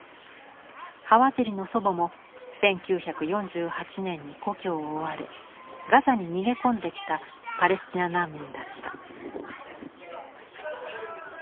ハワジリの祖母も１９４８年に故郷を追われガザに逃げ込んできたパレスチナ難民だった。